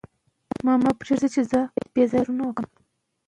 ځینې ویډیوګانې نښې پټوي.